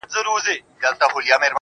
توکل به خدای